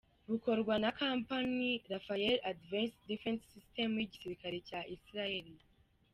Bukorwa na kompanyi Rafael Advanced Defence Systems y'igisirikare cya Israel.